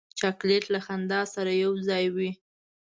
چاکلېټ له خندا سره یو ځای وي.